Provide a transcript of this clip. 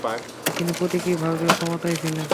তিনি প্রতীকীভাবে ক্ষমতায় ছিলেন।